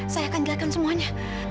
saya akan jelaskan semuanya